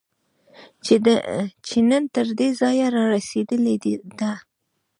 چې نن تر دې ځایه رارسېدلې ده